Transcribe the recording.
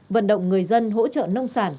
vận động người dân hỗ trợ nông sản